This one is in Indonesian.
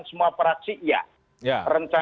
semua operasi iya